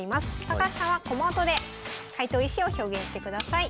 高橋さんは駒音で解答意志を表現してください。